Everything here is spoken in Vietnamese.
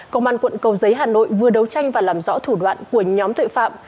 công an quận cầu giấy hà nội vừa đấu tranh và làm rõ thủ đoạn của nhóm tội phạm